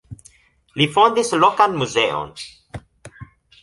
Li fondis lokan muzeon.